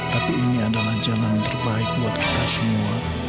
tapi ini adalah jalan terbaik buat kita semua